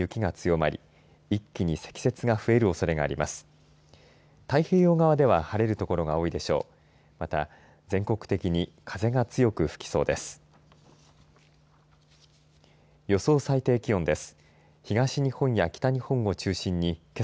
また、全国的に風が強く吹きそうです。